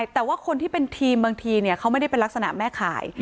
แต่ว่าคนที่เป็นทีมบางทีเขาไม่ได้เป็นลักษณะแม่ขาย